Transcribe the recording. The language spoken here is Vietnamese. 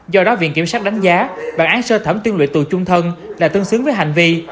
do đó viện kiểm sát đánh giá bản án sơ thẩm tuyên luyện tù chung thân là tương xứng với hành vi